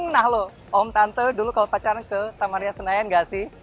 nah loh om tante dulu kalau pacaran ke taman ria senayan gak sih